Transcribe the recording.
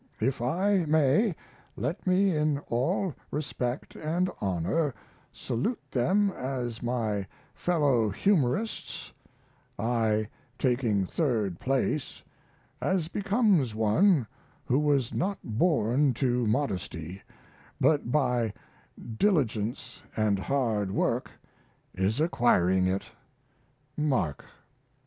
If I may, let me in all respect and honor salute them as my fellow humorists, I taking third place, as becomes one who was not born to modesty, but by diligence & hard work is acquiring it. MARK.